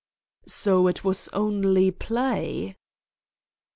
..." "So it was only play?